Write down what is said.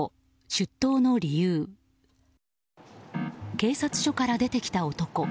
警察署から出てきた男。